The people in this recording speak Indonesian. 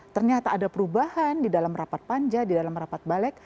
ternyata ada perubahan di dalam rapat panja di dalam rapat balik